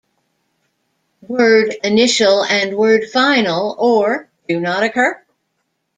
Word-initial and word-final or do not occur.